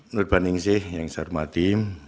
nurbaningsih yang saya hormati